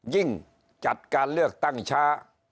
ยิ่งจัดการเลือกตั้งช้า